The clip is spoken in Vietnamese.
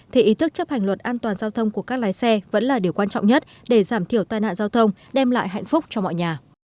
thì ý thức chấp hành luật an toàn giao thông của các lái xe vẫn là điều quan trọng nhất để giảm thiểu tai nạn giao thông đem lại hạnh phúc cho mọi nhà